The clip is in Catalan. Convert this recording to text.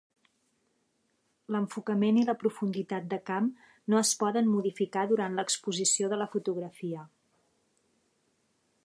L’enfocament i la profunditat de camp no es poden modificar durant l’exposició de la fotografia.